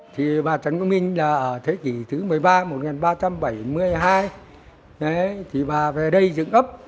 thì bà trần quang minh là ở thế kỷ thứ một mươi ba một nghìn ba trăm bảy mươi hai thì bà về đây dựng ấp